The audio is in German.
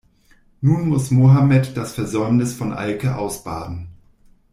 Nun muss Mohammed das Versäumnis von Alke ausbaden.